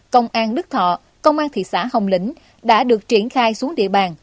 công an đức thọ công an thị xã hồng lĩnh đã được triển khai xuống địa bàn